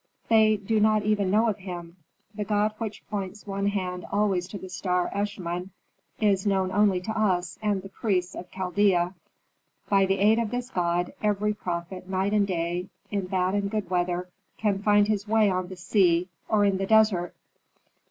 "They do not even know of him. The god which points one hand always to the star Eshmun, is known only to us and the priests of Chaldea. By the aid of this god every prophet night and day, in bad and good weather, can find his way on the sea or in the desert."